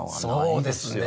そうですね。